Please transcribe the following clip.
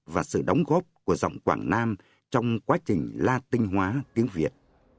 và sự đóng góp của dòng quảng nam trong quá trình latin hóa tiếng việt